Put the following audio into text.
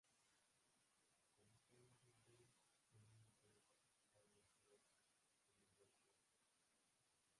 Cuando están más maduros, el niño puede participar en el juego, como el baseball.